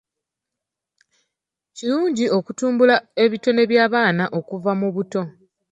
Kirungi okutumbula ebitone by'abaana okuva mu buto.